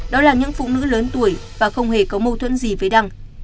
đó là những phụ nữ lớn tuổi và không hề có mâu thuẫn gì với đăng